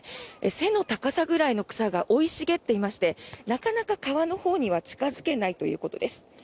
背の高さぐらいの草が生い茂っていましてなかなか川のほうには近付けないということです。